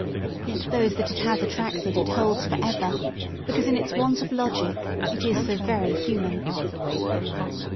Yet those that it has attracted it holds for ever, because in its want of logic it is so very human.